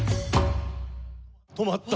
止まった！